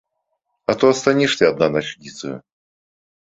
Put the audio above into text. А то астанешся адна начніцаю.